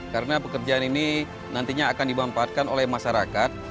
karena pekerjaan ini nantinya akan dimanfaatkan oleh masyarakat